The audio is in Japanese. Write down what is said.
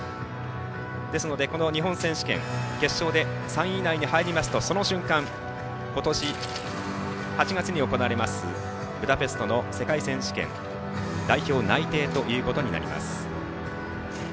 ですので、この日本選手権決勝で３位以内に入りますとその瞬間、今年８月に行われますブダペストの世界選手権の代表内定となります。